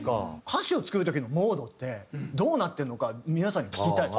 歌詞を作る時のモードってどうなってるのか皆さんに聞きたい。